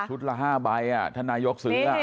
ละ๕ใบท่านนายกซื้อ